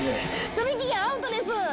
賞味期限アウトです。